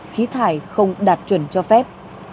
khí thải không đạt chuẩn cho phép